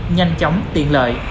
nhanh chóng tiện lợi